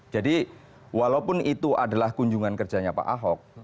jadi walaupun itu adalah kunjungan kerjanya pak ahok